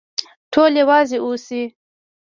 ټول يو ځای اوسئ.